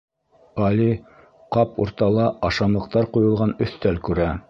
Али ҡап уртала ашамлыҡтар ҡуйылған өҫтәл күрә.